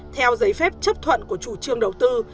theo giấy phép chấp thuận của chủ trương đầu tư